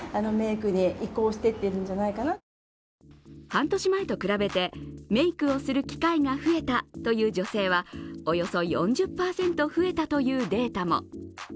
半年前と比べて、メークをする機会が増えたという女性はおよそ４０％増えたというデータも。